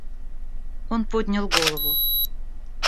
Он поднял голову.